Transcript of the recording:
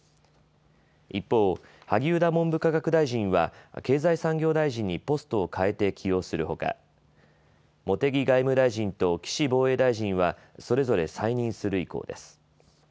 一方、萩生田文部科学大臣は経済産業大臣にポストをかえて起用するほか茂木外務大臣と岸防衛大臣はそれぞれ再任する意向です。